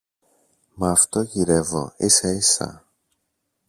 Μα αυτό γυρεύω ίσα-ίσα